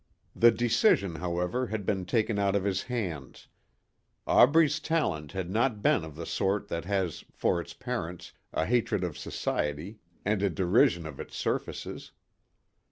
The decision, however, had been taken out of his hands. Aubrey's talent had not been of the sort that has for its parents a hatred of society and a derision of its surfaces.